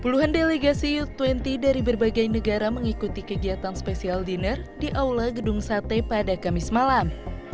puluhan delegasi u dua puluh dari berbagai negara mengikuti kegiatan spesial dinner di aula gedung sate pada kamis malam